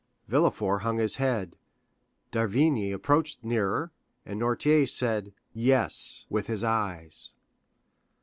Villefort hung his head, d'Avrigny approached nearer, and Noirtier said "Yes" with his eyes.